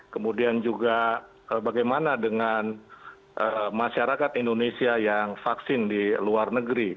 kemudian juga bagaimana dengan masyarakat indonesia yang vaksin di luar negeri